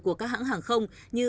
của các hãng hàng không như